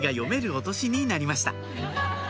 お年になりました